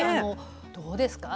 どうですか？